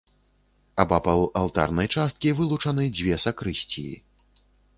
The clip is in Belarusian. Абапал алтарнай часткі вылучаны дзве сакрысціі.